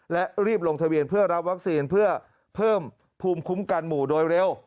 และรีบลงทะเบียนเพื่อรับวัคซีนเพื่อเพิ่มภูมิคุ้มกันหมู่โดยเร็ว